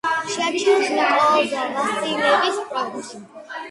შეარჩიეს ნიკოლოზ ვასილევის პროექტი.